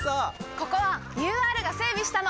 ここはＵＲが整備したの！